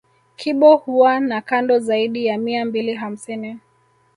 Kibo huwa na kando zaidi ya mia mbili hamsini